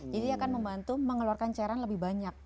jadi akan membantu mengeluarkan cairan lebih banyak